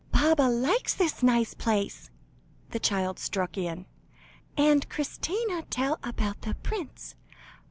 "Baba likes this nice place," the child struck in, "and Christina tell about the prince.